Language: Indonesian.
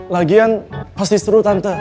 lagian pasti seru tante